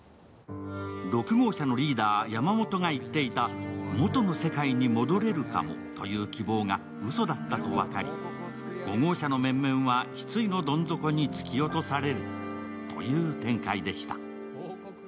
６号車のリーダー、山本が言っていた元の世界に戻れるかもという希望がうそだったと分かり、５号車の面々は失意のどん底に突き落とされるという展開でした。